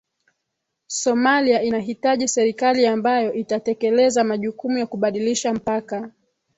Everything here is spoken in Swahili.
somalia inahitaji serikali ambayo itatekeleza majukumu ya kubadilisha mpaka